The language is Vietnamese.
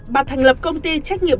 bà thành lập công ty trách nhiệm